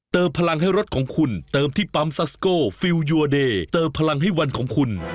พลังให้รถของคุณเติมที่ปั๊มซัสโกฟิลยูอเดย์เติมพลังให้วันของคุณ